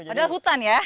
padahal hutan ya